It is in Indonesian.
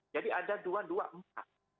jadi ada dua dua empat